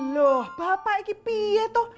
loh bapak ini piet toh